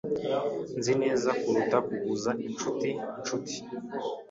Nzi neza kuruta kuguza inshuti inshuti.